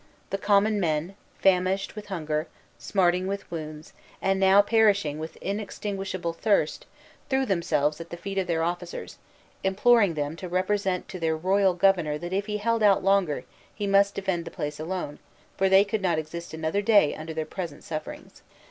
The common men, famished with hunger, smarting with wounds, and now perishing with inextinguishable thirst, threw themselves at the feet of their officers, imploring them to represent to their royal governor that if he held out longer, he must defend the place alone, for they could not exist another day under their present sufferings.